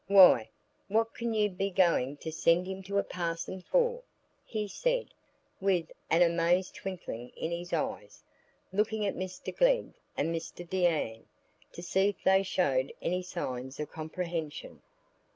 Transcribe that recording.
"Why, what can you be going to send him to a parson for?" he said, with an amazed twinkling in his eyes, looking at Mr Glegg and Mr Deane, to see if they showed any signs of comprehension.